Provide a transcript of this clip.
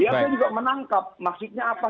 dia juga menangkap maksudnya apa sih oke